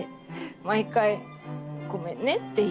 毎回ごめんねって言いながら。